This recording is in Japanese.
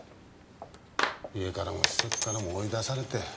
家からも施設からも追い出されて